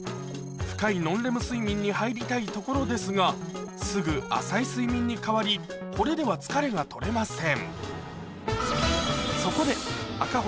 深いノンレム睡眠に入りたいところですがすぐ浅い睡眠に変わりこれでは疲れが取れません